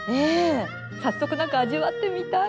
早速何か味わってみたい！